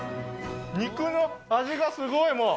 肉の味がすごい、もう。